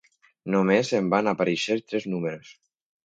Només en van aparèixer tres números.